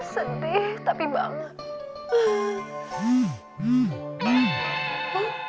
sedih tapi banget